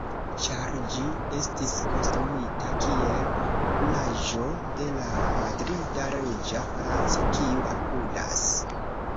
Ĉar ĝi estis konstruita kiel kunaĵo de la Madrida Reĝa Palaco kiu apudas.